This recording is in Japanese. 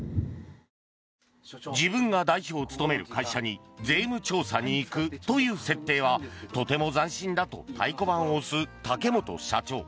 自分が代表を務める会社に税務調査に行くという設定はとても斬新だと太鼓判を押す竹本社長。